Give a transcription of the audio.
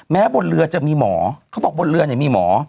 บนเรือจะมีหมอเขาบอกบนเรือเนี่ยมีหมอ